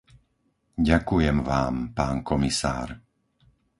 Ďakujem Vám, pán komisár.